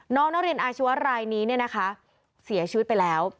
น้องนอกเรียนอาชีวะรายนี้นะคะเสียชุดไปแล้ว